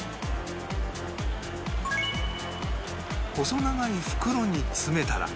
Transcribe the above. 細長い袋に詰めたら